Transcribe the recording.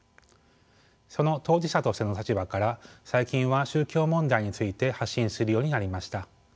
その当事者としての立場から最近は宗教問題について発信するようになりました。